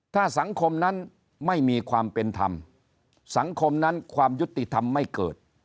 ถ้าสังคมนั้นไม่มีความเป็นธรรมสังคมนั้นความยุติธรรมไม่เกิด